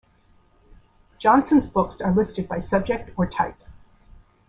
Johnson's books are listed by subject or type.